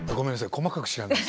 細かく知らないです。